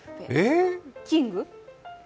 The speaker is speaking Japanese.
キング？